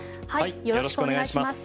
よろしくお願いします。